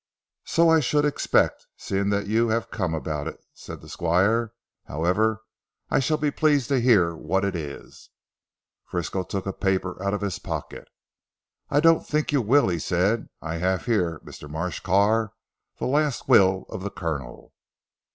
"So I should expect, seeing that you have come about it," said the Squire; "however, I shall be pleased to hear what it is." Frisco took a paper out of his pocket. "I don't think you will," said he; "I have here, Mr. Marsh Carr, the last will of the Colonel."